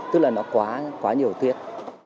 tức là nó quá nhiều tiết